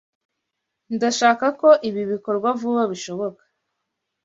Ndashaka ko ibi bikorwa vuba bishoboka.